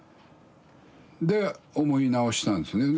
で思い直したんですよね。